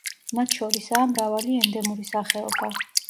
მათ შორისაა მრავალი ენდემური სახეობა.